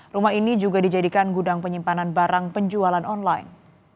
rumah ini juga dijadikan gudang penyimpanan barang penjualan online